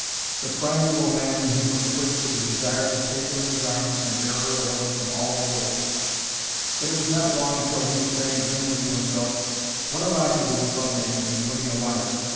The primeval man in him was quick with the desire to take her in his arms and bear her away from all the world. But it was not long until he was saying grimly to himself, "What have I to do with love making and winning a wife?